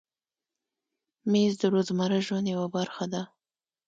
مېز د روزمره ژوند یوه برخه ده.